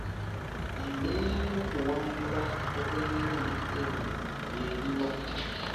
Embeera y'okuwangula okw'emirundi ebiri yeri wa?